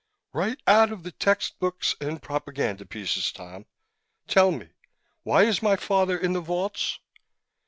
"Right out of the textbooks and propaganda pieces, Tom. Tell me, why is my father in the vaults?"